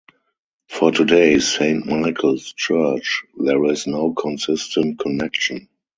For today's Saint Michael's Church, there is no consistent connection.